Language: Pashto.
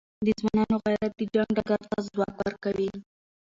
د ځوانانو غیرت د جنګ ډګر ته ځواک ورکوي.